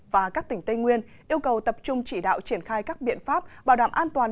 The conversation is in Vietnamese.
và các tỉnh tây nguyên yêu cầu tập trung chỉ đạo triển khai các biện pháp bảo đảm an toàn